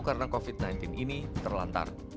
karena covid sembilan belas ini terlantar